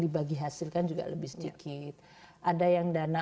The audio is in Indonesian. dibagi hasilkan juga lebih sedikit ada yang dana